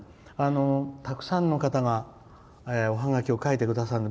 たくさんの方がおはがきを書いてくださるので。